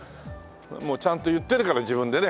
もうちゃんと言ってるから自分でね。